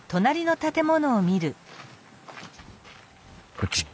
こっち。